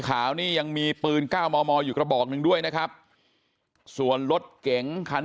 ขาวนี่ยังมีปืน๙มมอยู่กระบอกหนึ่งด้วยนะครับส่วนรถเก๋งคัน